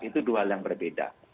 itu dua hal yang berbeda